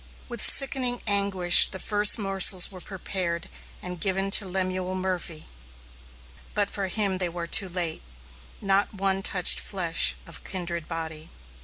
With sickening anguish the first morsels were prepared and given to Lemuel Murphy, but for him they were too late. Not one touched flesh of kindred body.